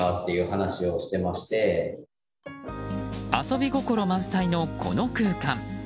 遊び心満載のこの空間。